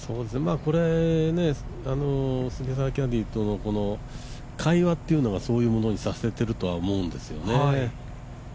これ、杉澤キャディーとの会話っていうのがそういうものにさせてるとは思うんですよね。